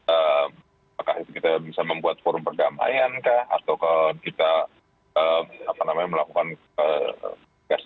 apakah kita bisa membuat forum pergamaian kah atau kalau kita melakukan investasi